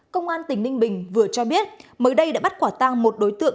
công an tỉnh ninh bình vừa cho biết mới đây đã bắt quả tang một đối tượng